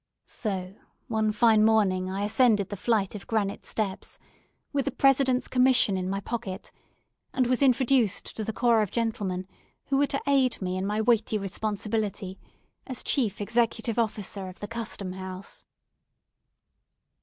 So, one fine morning I ascended the flight of granite steps, with the President's commission in my pocket, and was introduced to the corps of gentlemen who were to aid me in my weighty responsibility as chief executive officer of the Custom House.